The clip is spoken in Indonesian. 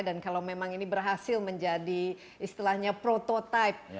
dan kalau memang ini berhasil menjadi istilahnya prototipe